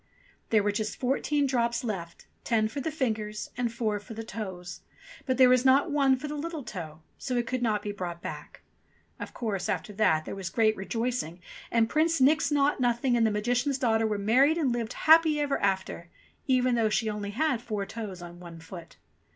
There were just fourteen drops left, ten for the fingers and four for the toes ; but there was not one for the little toe, so it could not be brought back. Of course, after that there was great rejoicing, and Prince Nix Naught Nothing and the Magician's daughter were married and lived happy ever after, even though she only had four toes on one foot.